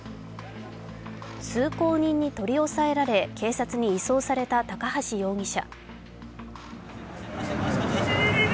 通行人に取り押さえられ警察に移送された高橋容疑者。